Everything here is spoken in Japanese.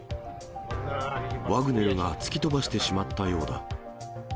ワグネルが突き飛ばしてしまったようだ。